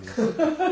ハハハ。